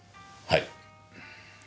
はい？